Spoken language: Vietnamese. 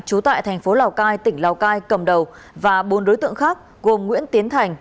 trú tại tp lào cai tỉnh lào cai cầm đầu và bốn đối tượng khác gồm nguyễn tiến thành